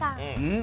ん？